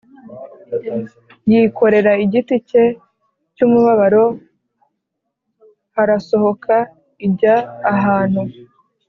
Yikorera igiti cye cy umubabaro h arasohoka i ajya ahantu